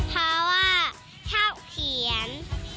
เพราะว่าถ้าเขียน